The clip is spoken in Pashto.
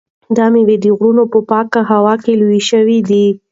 دا مېوې د غرونو په پاکه هوا کې لویې شوي دي.